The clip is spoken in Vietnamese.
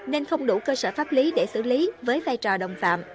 nên không đủ cơ sở pháp lý để xử lý với vai trò đồng phạm